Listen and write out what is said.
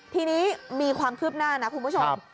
ทีนี้มีความคืบหน้านะคุณผู้ชม